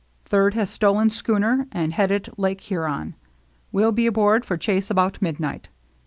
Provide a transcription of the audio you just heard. Third has stolen schooner and headed Lake Huron. Will be aboard for chase about mid night.